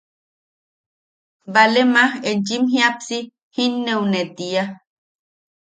‘baale maj enchim jiapsi jinneʼuneʼ, tia.